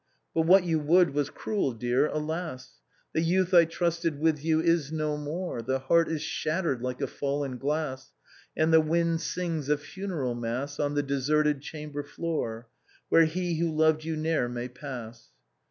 " But ' what you would, was cruel, dear ; alas 1 The youth I trusted with you is no more; The heart is shattered like a fallen glass. And the wind sings a funeral mass On the deserted chamber floor, "Where he who loved you ne'er may pass.